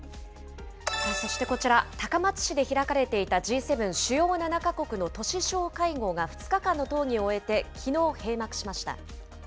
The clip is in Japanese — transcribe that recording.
そしてこちら、高松市で開かれていたＧ７・主要７国の都市相会合が２日間の討議を終えて、きのう閉幕しました。